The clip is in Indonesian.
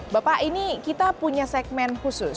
bapak ini kita punya segmen khusus